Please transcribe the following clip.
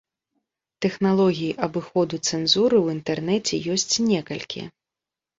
Тэхналогій абыходу цэнзуры ў інтэрнэце ёсць некалькі.